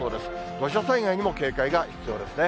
土砂災害にも警戒が必要ですね。